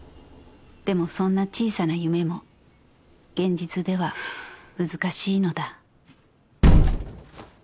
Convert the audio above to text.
［でもそんな小さな夢も現実では難しいのだ］